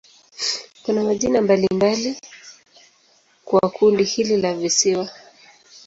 Kuna majina mbalimbali kwa kundi hili la visiwa.